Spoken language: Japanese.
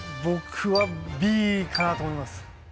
僕はＢかなと思います。